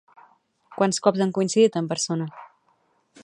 Quants cops han coincidit en persona?